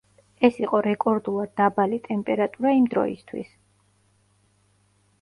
ეს იყო რეკორდულად დაბალი ტემპერატურა იმ დროისთვის.